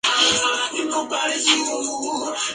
Hay seis personajes en el videojuego.